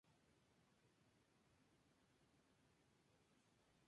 Se encuentra en las Islas Filipinas.